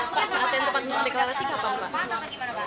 pak saatnya tempat menjelang deklarasi pak